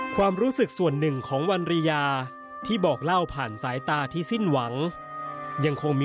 ความรู้สึกส่วนหนึ่งของวันริยาที่บอกเล่าผ่านสายตาที่สิ้นหวังยังคงมี